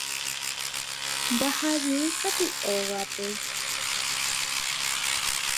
Jahajey katu ógape.